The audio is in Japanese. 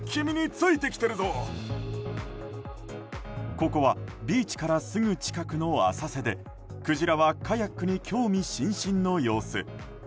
ここはビーチからすぐ近くの浅瀬でクジラはカヤックに興味津々の様子。